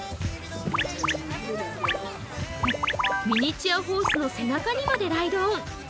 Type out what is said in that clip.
ミニチュアホースの背中にまでライドオン。